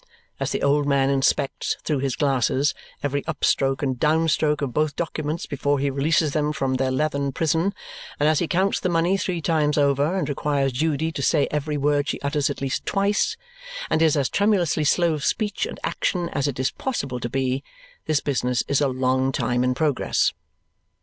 As the old man inspects, through his glasses, every up stroke and down stroke of both documents before he releases them from their leathern prison, and as he counts the money three times over and requires Judy to say every word she utters at least twice, and is as tremulously slow of speech and action as it is possible to be, this business is a long time in progress.